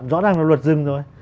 rõ ràng là luật dừng thôi